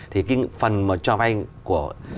thì cái phần cho vay của